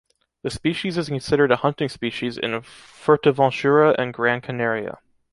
The species is considered a hunting species in Furteventura and Gran Canaria.